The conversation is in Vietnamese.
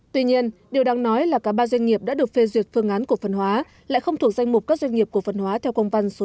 tuy nhiên điều đáng nói là cả ba doanh nghiệp đã được phê duyệt phương án cổ phân hóa lại không thuộc danh mục các doanh nghiệp cổ phân hóa theo công văn số chín trăm chín mươi một